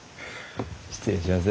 失礼します。